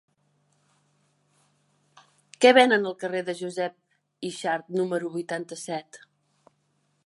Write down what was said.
Què venen al carrer de Josep Yxart número vuitanta-set?